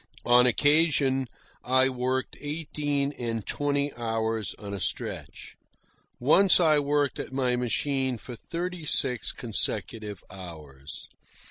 On occasion I worked eighteen and twenty hours on a stretch. Once I worked at my machine for thirty six consecutive hours.